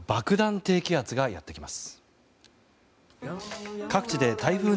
低気圧がやってきます。